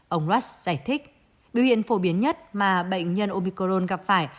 ông watts giải thích biểu hiện phổ biến nhất mà bệnh nhân omicron gặp phải